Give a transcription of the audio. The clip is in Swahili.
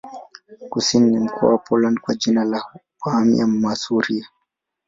Kusini ni mkoa wa Poland kwa jina la Warmia-Masuria.